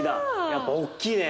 やっぱ大きいね。